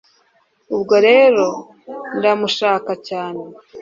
ubwo rero ndamushaka cyane